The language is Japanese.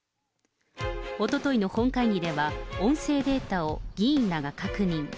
おとといの本会議では、音声データを議員らが確認。